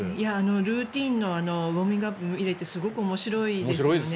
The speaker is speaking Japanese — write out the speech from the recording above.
ルーチンのウォーミングアップを見れてすごく面白いですよね。